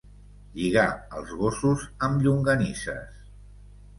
Lligar els gossos amb llonganisses.